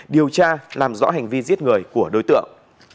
điều tra làm rõ hành vi giết người của đối tượng